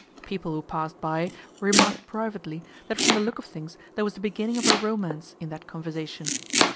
People who passed by remarked privately that from the look of things there was the beginning of a romance in that conversation.